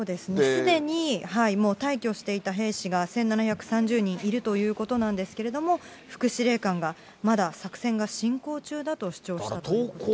すでに退去していた兵士が１７３０人いるということなんですけれども、副司令官が、まだ作戦が進行中だと主張したということです。